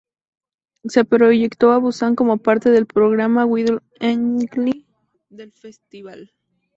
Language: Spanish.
Se proyectó en Busan como parte del programa "Wide Angle" del festival.